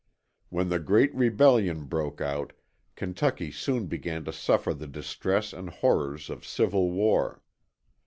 When the great rebellion broke out, Kentucky soon began to suffer the distress and horrors of civil war.